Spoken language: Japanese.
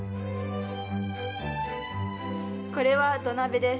これは土鍋です。